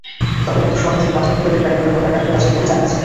তাঁদের মতো শতাধিক পাথর খোদাইয়ের কারিগর এখন বেকার হয়ে আছেন বলে জানা গেছে।